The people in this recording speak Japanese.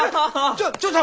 ちょちょっと！